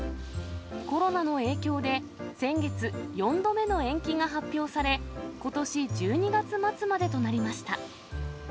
コロナの影響で、先月、４度目の延期が発表され、ことし１２月末までとなりました。